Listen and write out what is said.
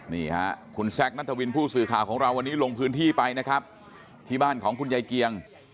นี่ค่ะคุณแซคนัทวินผู้สื่อข่าวของเราวันนี้ลงพื้นที่ไปนะครับที่บ้านของคุณยายเกียง